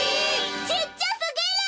ちっちゃすぎる！